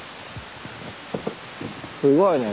すごいね。